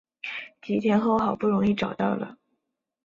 几天后好不容易找到了